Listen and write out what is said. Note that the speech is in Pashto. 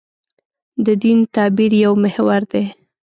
د دین تعبیر یو محور دی.